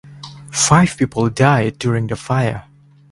Five people died during the fire.